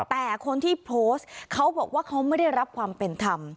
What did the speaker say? แต่คนที่โพสต์เขาบอกว่าเขาไม่ได้รับความเป็นธรรม